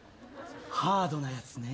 ハードなやつね。